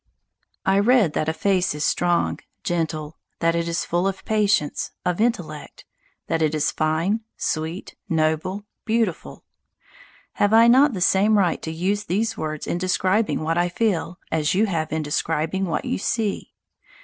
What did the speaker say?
I read that a face is strong, gentle; that it is full of patience, of intellect; that it is fine, sweet, noble, beautiful. Have I not the same right to use these words in describing what I feel as you have in describing what you see?